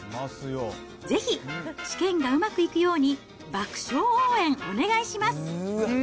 ぜひ試験がうまくいくように、爆笑応援お願いします。